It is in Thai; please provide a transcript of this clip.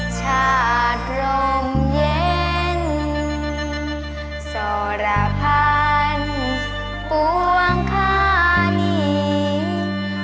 ชาติรมเย็นสรพันธ์ปวงคานี